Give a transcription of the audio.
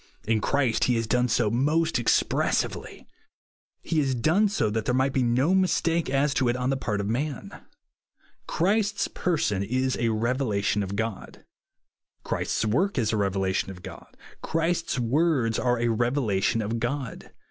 In Christ he has done so most expressively. He has done so that there might be no mistake as to it on the part of man. Christ's person is a revelation of God. Christ's work is a revelation of God. Christ's words are a revelation of God.